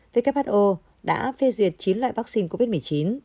who đã phê duyệt chín loại vaccine covid một mươi chín